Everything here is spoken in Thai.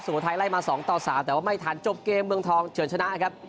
โขทัยไล่มา๒ต่อ๓แต่ว่าไม่ทันจบเกมเมืองทองเฉินชนะครับ